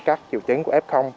các triệu chứng của f